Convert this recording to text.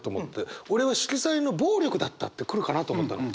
俺は「色彩の暴力だった」って来るかなと思ったの。